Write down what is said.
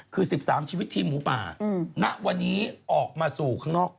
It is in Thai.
คือ๑๓ชีวิตทีมหมูป่าณวันนี้ออกมาสู่ข้างนอก